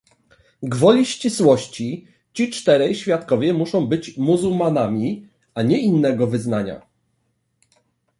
Gwoli ścisłości, ci czterej świadkowie muszą być muzułmanami, a nie innego wyznania